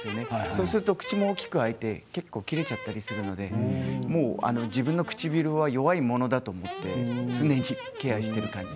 そうすると口も大きく開いて切れちゃったりするのでもう、自分の唇は弱いものだと思って常にケアをしている感じ。